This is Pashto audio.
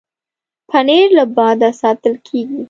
پنېر له باده ساتل کېږي.